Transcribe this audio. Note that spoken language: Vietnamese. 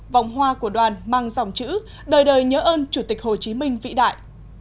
vòng hoa của đoàn mang dòng chữ đời đời nhớ ơn chủ tịch hồ chí minh vĩ đại